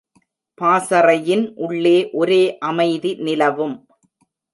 பாசறையின் உள்ளே ஒரே அமைதி நிலவும்.